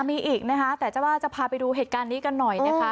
มีอีกนะคะแต่จะว่าจะพาไปดูเหตุการณ์นี้กันหน่อยนะคะ